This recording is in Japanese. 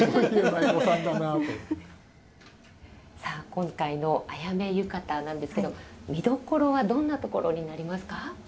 さあ今回の「菖蒲浴衣」なんですけど見どころはどんなところになりますか？